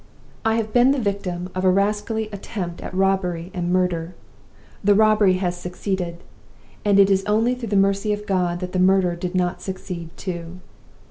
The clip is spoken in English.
"I have been the victim of a rascally attempt at robbery and murder. The robbery has succeeded; and it is only through the mercy of God that the murder did not succeed too.